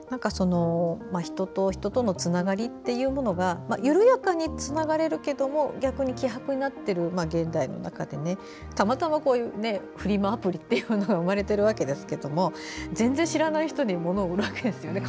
人と人とのつながりというものが緩やかにつながれるけれども逆に希薄になっている現代の中で、たまたまフリマアプリというものが生まれてるわけですけど全然知らない人に物を売るわけですよね。